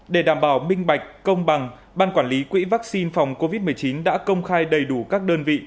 để đảm bảo minh bạch công bằng ban quản lý quỹ vaccine phòng covid một mươi chín đã công khai đầy đủ các đơn vị